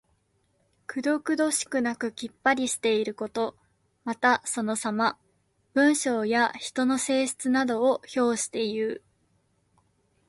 くどくどしくなくきっぱりしていること。また、そのさま。文章や人の性質などを評していう。